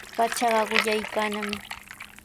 Pachaqa quyaykannami.